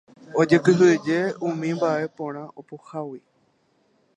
Ojekyhyje umi mbaʼeporã apohágui.